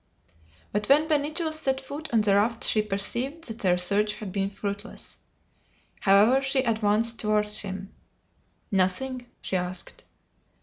But when Benito set foot on the raft she perceived that their search had been fruitless. However, she advanced toward him. "Nothing?" she asked.